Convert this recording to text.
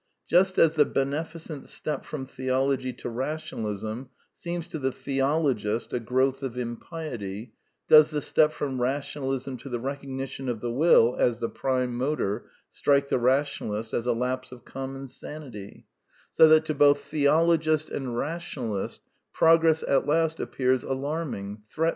Just as the beneficent step from theology to rationalism seems to the theologist a growth of impiety, does the step from rationalism to the recognition of the will as the prime motor strike the rationalist as a lapse of common sanity; ^ The correlation between Rationalism and Materialism in this process has some immediate practical importance.